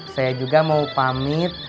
saya juga mau pamit